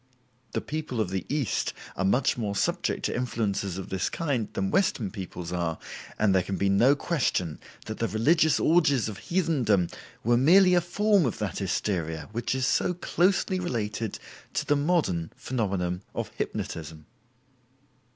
The people of the East are much more subject to influences of this kind than Western peoples are, and there can be no question that the religious orgies of heathendom were merely a form of that hysteria which is so closely related to the modern phenomenon of hypnotism.